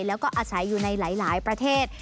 แล้วก็อาศัยอยู่ในหลายประเทศ